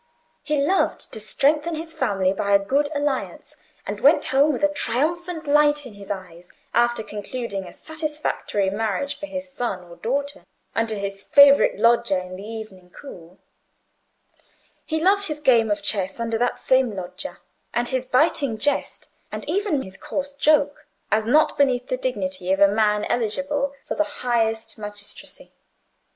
He loved to strengthen his family by a good alliance, and went home with a triumphant light in his eyes after concluding a satisfactory marriage for his son or daughter under his favourite loggia in the evening cool; he loved his game at chess under that same loggia, and his biting jest, and even his coarse joke, as not beneath the dignity of a man eligible for the highest magistracy.